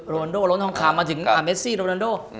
โรแวนโดโรนทองคามมาถึงเมซิโรแวนโด